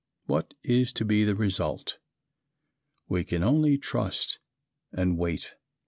What is to be the result? We can only trust and wait.